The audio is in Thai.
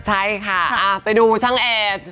แแล้วไปดูช่างแอร์